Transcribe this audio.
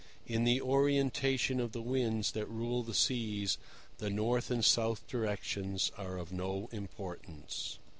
In the orientation of the winds that rule the seas, the north and south directions are of no importance.